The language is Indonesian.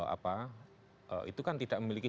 apa itu kan tidak memiliki